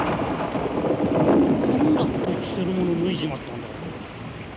何だって着てるもの脱いじまったんだろう？